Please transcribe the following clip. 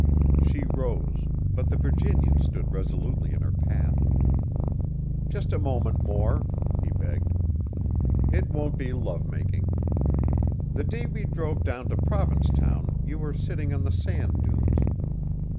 She rose, but the Virginian stood resolutely in her path. "Just a moment more," he begged. "It won't be love making. The day we drove down to Provincetown you were sitting on the sand dunes.